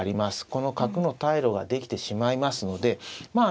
この角の退路が出来てしまいますのでまあ